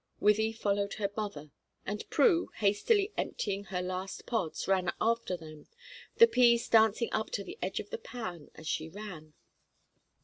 Wythie followed her mother, and Prue, hastily emptying her last pods, ran after them, the peas dancing up to the edge of the pan as she ran.